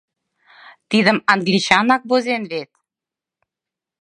Тидым англичанак возен вет.